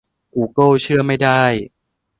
กูเกิลเชื่อไม่ได้